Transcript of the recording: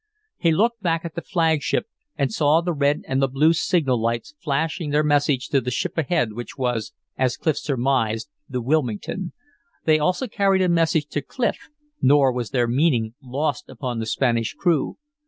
He looked back at the flagship and saw the red and the blue signal lights flashing their message to the ship ahead which was, as Clif surmised, the Wilmington. They also carried a message to Clif, nor was their meaning lost upon the Spanish crew.